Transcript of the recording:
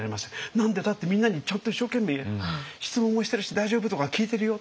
「何でだってみんなにちゃんと一生懸命質問もしてるし『大丈夫？』とか聞いてるよ」。